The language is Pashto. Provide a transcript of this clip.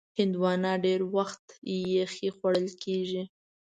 هندوانه ډېر وخت یخې خوړل کېږي.